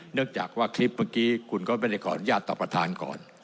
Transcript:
จากว่าคลิปเมื่อกี้คุณก็ไม่ได้ขออนุญาตต่อประธานก่อน